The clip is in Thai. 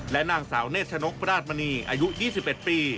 และนางสาวเนชนกราชมณีอายุ๒๑ปี